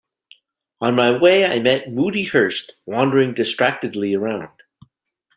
On my way I met Moody Hurst wandering distractedly around.